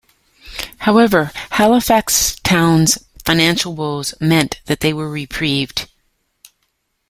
However, Halifax Town's financial woes meant that they were reprieved.